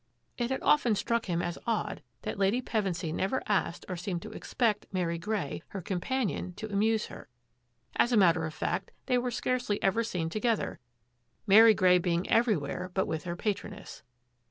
It had often struck him as odd that Lady Pevensy never asked or seemed to expect Mary Grey, her companion, to amuse her. As a matter of fact, they were scarcely ever seen to gether, Mary Grey being everywhere but with her patroness.